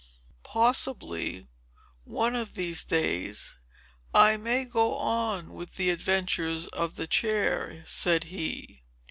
"Possibly, one of these days, I may go on with the adventures of the chair," said he.